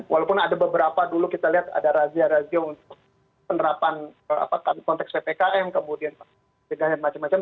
walaupun ada beberapa dulu kita lihat ada razia razia untuk penerapan konteks ppkm kemudian macam macam